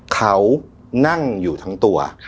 เขานั่งอยู่ทั้งตัว